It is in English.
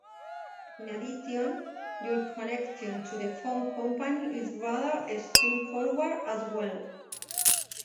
In addition, your connection to the phone company is rather straightforward as well.